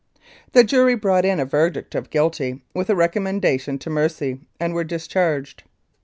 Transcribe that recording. The jury brought in a verdict of guilty, with a recommendation to mercy, and were discharged.